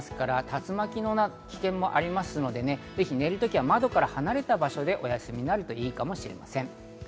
竜巻の危険もありますので、寝るときは窓から離れた場所でお休みになるといいかもしれません。